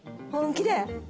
本気で。